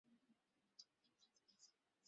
তার ধারে কাছে যাবে না।